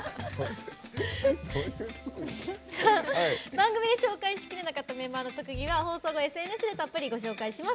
番組で紹介しきれなかったメンバーの特技は放送後ＳＮＳでたっぷりご紹介します。